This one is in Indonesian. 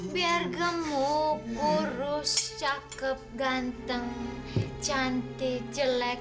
biar gemuk urus cakep ganteng cantik jelek